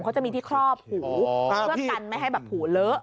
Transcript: เขาจะมีที่ครอบหูเพื่อกันไม่ให้แบบหูเลอะ